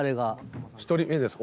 １人目です。